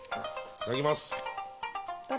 いただきます。